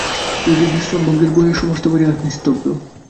রোগীর বিশ্রামভঙ্গের ভয়ে সমস্ত বাড়ি আজ নিস্তব্ধ।